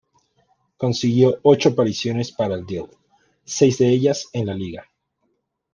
Consiguió ocho apariciones para el Dale, seis de ellas en la liga.